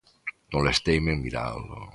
Molesteime en miralo.